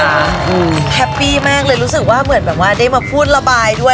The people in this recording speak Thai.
แฮปปี้มากเลยรู้สึกว่าเหมือนแบบว่าได้มาพูดระบายด้วย